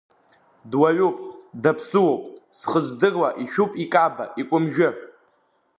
Дуаҩуп, даԥсыуоуп зхыздыруа, ишәуп икаба, икәымжәы.